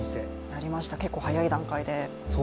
やりました、結構早い段階で。